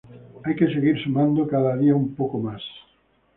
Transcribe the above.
Hay que seguir sumando cada día un poco más"".